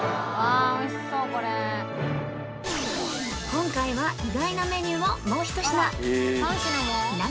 今回は意外なメニューをもう一品